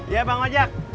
ya bang ojak